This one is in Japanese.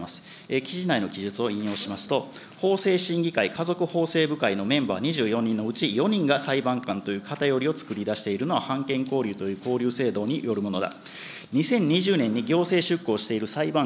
記事内の記述を引用しますと、法制審家族法制部会のメンバー２４人のうち、４人が裁判官という偏りを作り出しているのは、判検交流という交流制度によるものだ。